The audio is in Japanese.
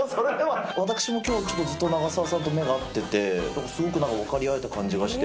私もきょう、ずっと長澤さんと目が合ってて、なんかすごく分かり合えた感じがして。